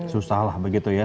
susah lah begitu ya